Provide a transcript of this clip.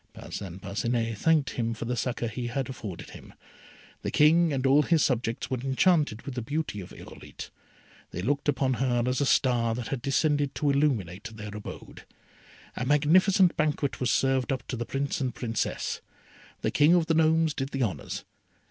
Parcin Parcinet thanked him for the succour he had afforded them. The King and all his subjects were enchanted with the beauty of Irolite. They looked upon her as a star that had descended to illuminate their abode. A magnificent banquet was served up to the Prince and Princess. The King of the Gnomes did the honours.